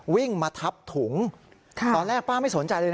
วิ่งมาทับถุงตอนแรกป้าไม่สนใจเลยนะ